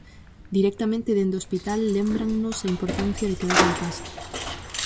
Directamente dende o hospital, lémbrannos a importancia de quedar na casa.